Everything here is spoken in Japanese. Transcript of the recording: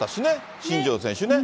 新庄選手ね。